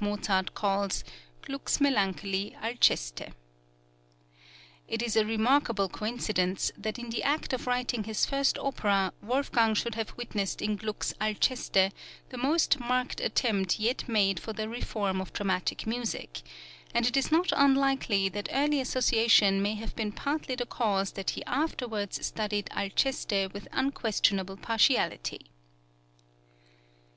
Mozart calls "Gluck's melancholy 'Alceste.'" It is a remarkable coincidence, that in the act of writing his first opera, Wolfgang should have witnessed in Gluck's "Alceste" the most marked attempt yet made for the reform of dramatic music; and it is not unlikely that early association may have been partly the cause that he afterwards studied "Alceste" with unquestionable partiality.